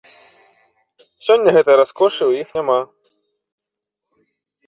Сёння гэтай раскошы ў іх няма.